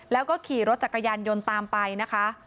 แล้วก็ขี่รถจักรยานยนต์ตามไปนะคะ